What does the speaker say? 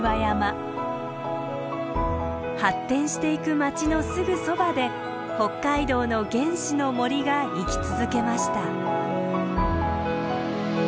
発展していく街のすぐそばで北海道の原始の森が生き続けました。